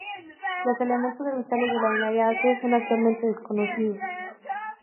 Los elementos orbitales de la binaria A-C son actualmente desconocidos.